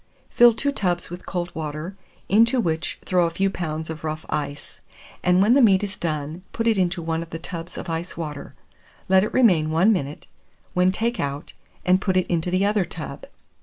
Fill two tubs with cold water, into which throw a few pounds of rough ice; and when the meat is done, put it into one of the tubs of ice water; let it remain 1 minute, when take out, and put it into the other tub.